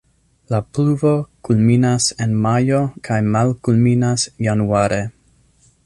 La pluvo kulminas en majo kaj malkulminas januare.